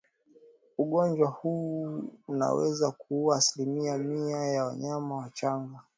Ugonjwa huu unaweza kuua asilimia mia ya wanyama wachanga